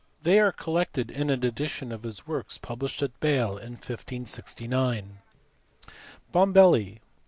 They are collected in an edition of his works published at Bale in 1569. Bombelli.